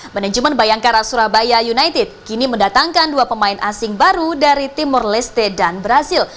manajemen bayangkara surabaya united kini mendatangkan dua pemain asing baru dari timur leste dan brazil